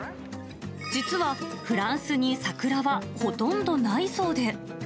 実はフランスに桜はほとんどないそうで。